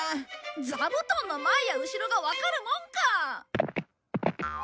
座布団の前や後ろがわかるもんか！